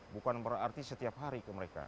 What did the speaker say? bukan berarti setiap hari ke mereka